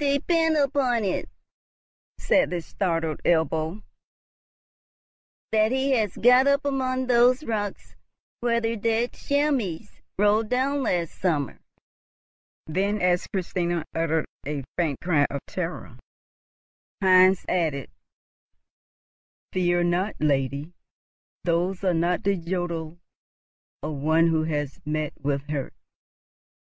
"Depend upon it," said the startled Ebbo, "that he has got up amongst those rocks where the dead chamois rolled down last summer;" then, as Christina uttered a faint cry of terror, Heinz added, "Fear not, lady, those are not the jodeln of one who has met with a hurt.